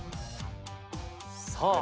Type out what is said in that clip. さあ。